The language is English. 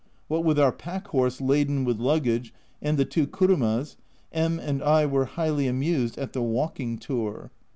What with our pack horse laden with luggage and the two kurumas, M and I were highly amused at the walking tour.